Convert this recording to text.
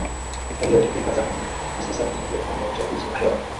yaliyotendeka zamani na sasa tunajua kwamba uchafuzi wa hewa